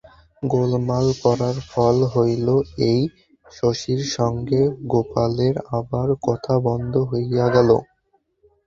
গোলমাল করার ফল হইল এই, শশীর সঙ্গে গোপালের আবার কথা বন্ধ হইয়া গেল।